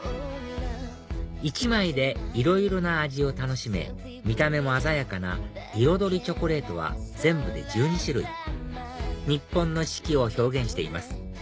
１枚でいろいろな味を楽しめ見た目も鮮やかなイロドリチョコレートは全部で１２種類日本の四季を表現しています